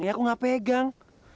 ya aku nggak pegang